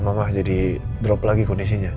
mama jadi drop lagi kondisinya